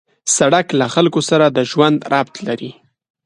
سړک له خلکو سره د ژوند ربط لري.